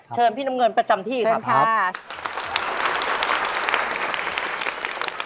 เชิญพี่น้ำเงินประจำที่ค่ะครับ